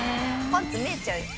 パンツ見えちゃうよ。